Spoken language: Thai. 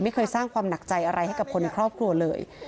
ไม่เคยสร้างความหนักใจอะไรให้กับคนในครอบครัวเลย